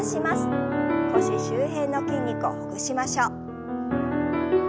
腰周辺の筋肉をほぐしましょう。